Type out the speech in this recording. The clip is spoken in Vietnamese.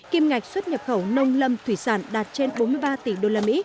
kim ngạch xuất nhập khẩu nông lâm thủy sản đạt trên bốn mươi ba tỷ usd